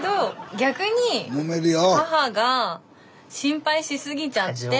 逆に母が心配しすぎちゃって。